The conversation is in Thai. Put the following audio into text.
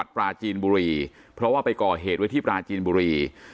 ปราจีนบุรีเพราะว่าไปก่อเหตุไว้ที่ปราจีนบุรี